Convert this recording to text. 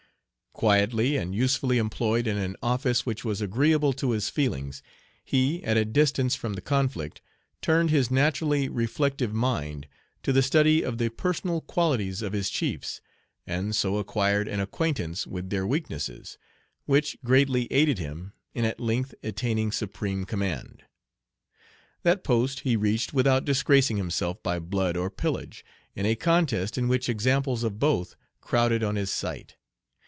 Quietly and usefully employed in an office which was agreeable to his feelings, he, at a distance from the conflict, turned his naturally reflective mind to the study of the personal qualities of his chiefs, and so acquired an acquaintance with their weaknesses, which greatly aided him in at length attaining supreme command. That post he reached without disgracing himself by blood or pillage, in a contest in which examples of both crowded on his sight.